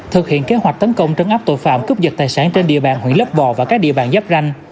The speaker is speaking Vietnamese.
thực hiện kế hoạch tấn công trấn áp tội phạm cúp dịch tài sản trên địa bàn hủy lấp vò và các địa bàn giáp ranh